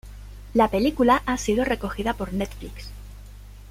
La película ha sido recogida por Netflix.